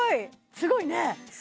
すごいね！